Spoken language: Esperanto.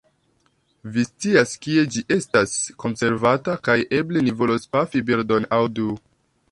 Vi scias kie ĝi estas konservata, kaj eble ni volos pafi birdon aŭ du.